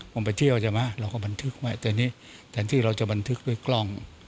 ผมไปเที่ยวใช่ไหมเราก็บันทึกไว้แต่นี่แทนที่เราจะบันทึกด้วยกล้อง